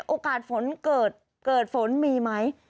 โอกาสฝนเกิดฝนมีไหม